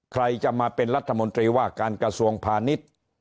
ใครจะมาเป็นรัฐมนตรีว่าการกระทรวงพาณิชย์